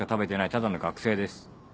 ただの学生です。